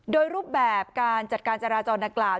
โดยรูปแบบการจัดการจราจรดังกล่าว